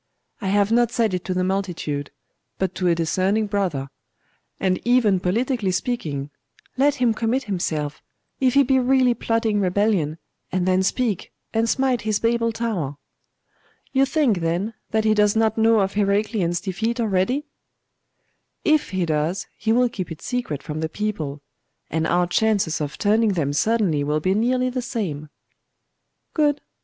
I have not said it to the multitude, but to a discerning brother. And even politically speaking let him commit himself, if he be really plotting rebellion, and then speak, and smite his Babel tower.' 'You think, then, that he does not know of Heraclian's defeat already?' 'If he does, he will keep it secret from the people; and our chances of turning them suddenly will be nearly the same.' 'Good.